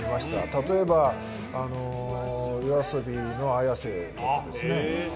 例えば、ＹＯＡＳＯＢＩのＡｙａｓｅですよね。